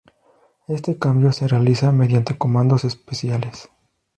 Este cambio se realiza mediante comandos especiales.